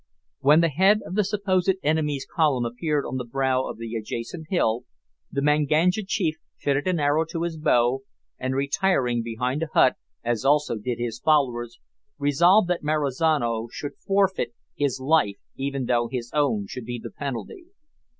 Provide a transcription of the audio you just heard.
When the head of the supposed enemy's column appeared on the brow of the adjacent hill, the Manganja chief fitted an arrow to his bow, and, retiring behind a hut, as also did his followers, resolved that Marizano should forfeit his life even though his own should be the penalty.